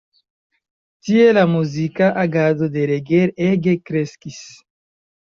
Tie la muzika agado de Reger ege kreskis.